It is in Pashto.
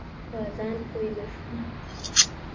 په ځان پوی نه شوم.